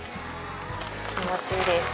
気持ちいいです。